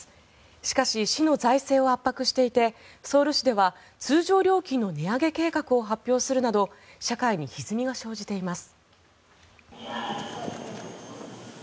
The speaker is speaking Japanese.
しかし、市の財政を圧迫していてソウル市では通常料金の値上げ計画を発表するなど社会にひずみが生じています。